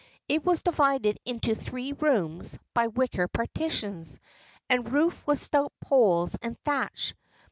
It was divided into three rooms by wicker partitions, and roofed with stout poles and thatch.